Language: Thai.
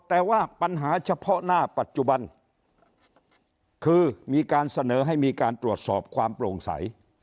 แต่ว่าปัญหาเฉพาะหน้าปัจจุบันคือมีการเสนอให้มีการตรวจสอบความโปร่งใส